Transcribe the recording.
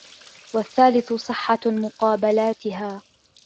وَالثَّالِثُ صِحَّةُ مُقَابَلَاتِهَا